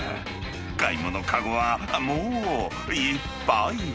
買い物籠は、もう、いっぱい。